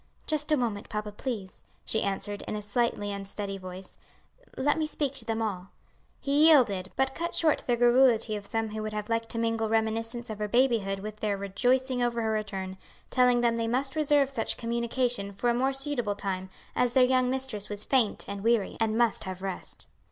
"Just a moment, papa, please," she answered in a slightly unsteady voice; "let me speak to them all." He yielded, but cut short the garrulity of some who would have liked to mingle reminiscences of her baby hood with their rejoicing over her return, telling them they must reserve such communication for a more suitable time, as their young mistress was faint and weary, and must have rest.